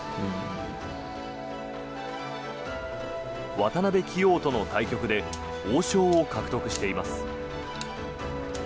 渡辺棋王との対局で王将を獲得しています。